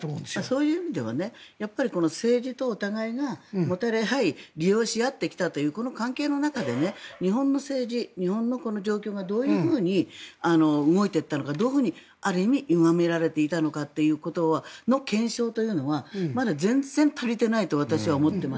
そういう意味では政治とお互いがもたれ合い、利用し合ってきたというこの関係の中で日本の政治、日本の状況がどういうふうに動いていったのかどういうふうにある意味、ゆがめられていたのかということの検証というものはまだ全然足りていないと私は思っています。